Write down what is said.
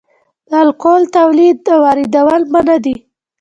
د الکول تولید او واردول منع دي